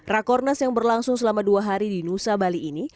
rakornas yang berlangsung selama dua hari di nusa bali ini